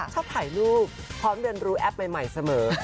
ชอบถ่ายรูปพร้อมเรียนรู้แอปใหม่เสมอ